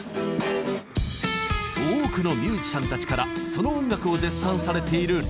多くのミュージシャンたちからその音楽を絶賛されているＲｅｉ。